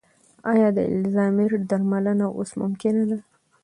ایا د الزایمر درملنه اوس ممکنه ده؟